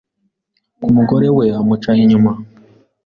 ko umugore we amuca inyuma